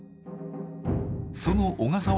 その小笠原